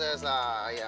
hei yang bener ya